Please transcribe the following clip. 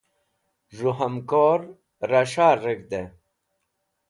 z̃hu hamkor ra s̃har reg̃hd'ey